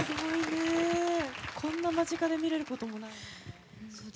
こんな間近で見れることもない。